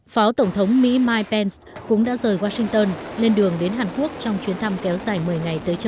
phó tổng thống mỹ mike pence cũng đã rời washington lên đường đến hàn quốc trong chuyến thăm kéo dài một mươi ngày tới